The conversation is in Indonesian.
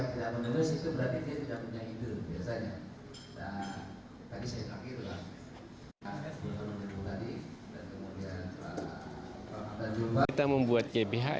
sebagai politisi yang tidak mendes itu berarti tidak punya hidup biasanya